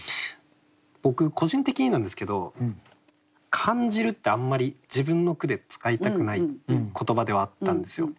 僕個人的になんですけど「感じる」ってあんまり自分の句で使いたくない言葉ではあったんですよ。